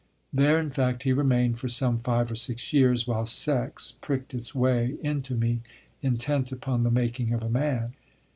There, in fact, he remained for some five or six years, while sex pricked its way into me intent upon the making of a man.